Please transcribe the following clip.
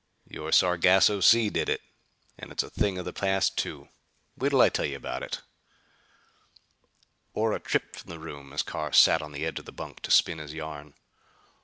"Your Sargasso Sea did it. And it's a thing of the past, too. Wait till I tell you about it!" Ora tripped from the room as Carr sat on the edge of the bunk to spin his yarn.